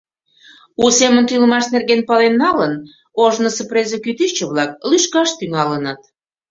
У семын тӱлымаш нерген пален налын, ожнысо презе кӱтӱчӧ-влак лӱшкаш тӱҥалыныт.